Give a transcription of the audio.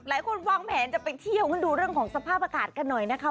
วางแผนจะไปเที่ยวกันดูเรื่องของสภาพอากาศกันหน่อยนะคะ